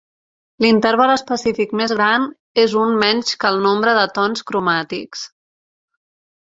L'interval específic més gran és un menys que el nombre de tons "cromàtics".